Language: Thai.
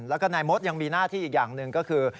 แล้วก็นายมดยังมีหน้าที่อีกอย่างหนึ่งก็คือ